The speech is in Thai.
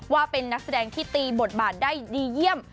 ว่าเป็นนักแสดงที่ตีบทบาทได้ดีเยี่ยม